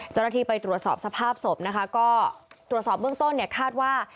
เจ้าหน้าที่ไปตรวจสอบสภาพศพนะคะก็ตรวจสอบเบื้องต้นเนี่ยคาดว่า